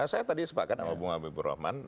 saya tadi sepakat sama bung habib ibu roman